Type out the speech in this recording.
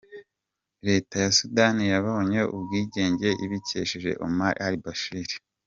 Leta ya Sudan yabonye ubwigenge ibikesheje Omar Al-Bashir.